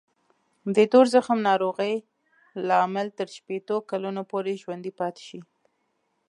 د تور زخم ناروغۍ لامل تر شپېتو کلونو پورې ژوندی پاتې شي.